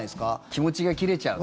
気持ちが切れちゃう。